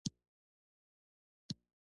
هره لوحه باید د قانون په بڼه لیکل شوې وای.